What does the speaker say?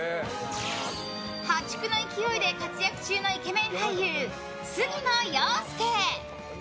破竹の勢いで活躍中のイケメン俳優・杉野遥亮。